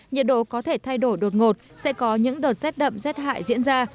nhiệt độ có thể thay đổi đột ngột sẽ có những đợt rét đậm rét hại diễn ra